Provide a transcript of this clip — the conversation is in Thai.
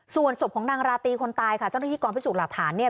ส่วนศพของนางราตรีคนตายค่ะจังหิติกรพิสูจน์หลักฐานเนี่ย